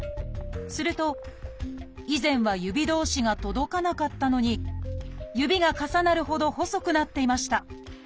すると以前は指同士が届かなかったのに指が重なるほど細くなっていました。